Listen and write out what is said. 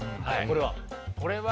これは。